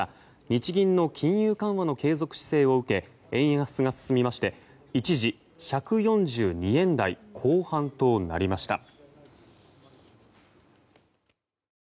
日銀の金融緩和の継続姿勢を受け円安が進みまして一時１４２円台後半となりました。